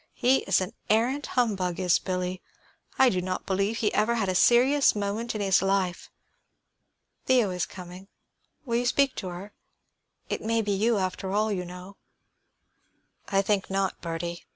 "He is an arrant humbug, is Billy; I do not believe he ever had a serious moment in his life. Theo is coming; will you speak to her? It may be you, after all, you know." "I think not, Bertie."